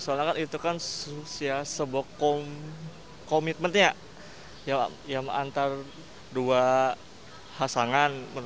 karena itu kan sebuah komitmennya yang antar dua hasangan